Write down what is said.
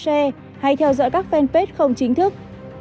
share hay theo dõi các fanpage không chính thức